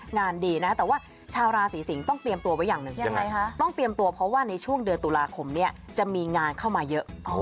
งานดีนะแต่ว่าชาวราศีสิงศ์ต้องเตรียมตัวไว้อย่างหนึ่งต้องเตรียมตัวเพราะว่าในช่วงเดือนตุลาคมเนี่ยจะมีงานเข้ามาเยอะ